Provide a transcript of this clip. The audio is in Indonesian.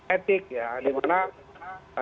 etik ya dimana